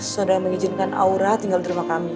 saudara yang mengizinkan aura tinggal di rumah kami